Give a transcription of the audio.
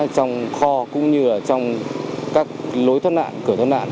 trong kho cũng như trong các lối thoát nạn cửa thoát nạn